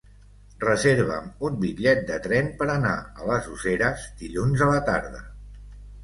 Reserva'm un bitllet de tren per anar a les Useres dilluns a la tarda.